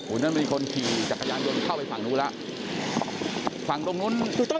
โอ้นั่นมีคนขี่จากกระยานยนต์เข้าไปฝั่งนู้นล่ะฝั่งตรงนู้น